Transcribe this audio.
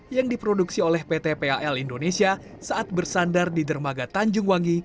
yang diproduksi oleh pt pal indonesia saat bersandar di dermaga tanjung wangi